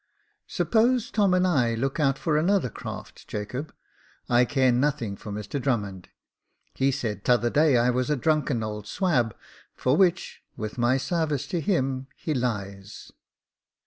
*' Suppose Tom and I look out for another craft, Jacob? I care nothing for Mr Drummond. He said t'other day I was a drunken old swab — for which, with my sarvice to him, he lies.